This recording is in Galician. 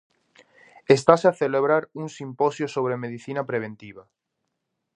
Estase a celebrar un simposio sobre medicina preventiva.